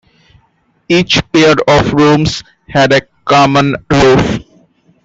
Each pair of rooms had a common roof.